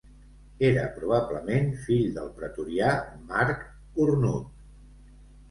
Era probablement fill del pretorià Marc Cornut.